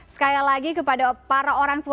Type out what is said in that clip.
sekali lagi kepada para orang tua